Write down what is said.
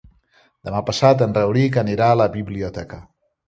Demà passat en Rauric anirà a la biblioteca.